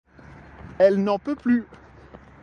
Elle n’en peut plus.